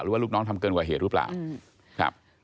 ว่าลูกน้องทำเกินกว่าเหตุหรือเปล่าครับ